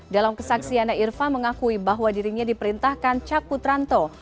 dalam kesaksiannya irfan mengakui bahwa dirinya diperintahkan cak putranto